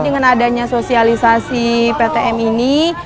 dengan adanya sosialisasi ptm ini